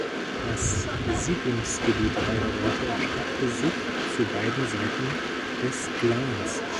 Das Siedlungsgebiet beider Orte erstreckte sich zu beiden Seiten des Glans.